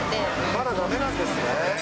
まだだめなんですね。